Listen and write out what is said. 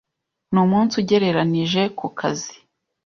Ni umunsi ugereranije ku kazi.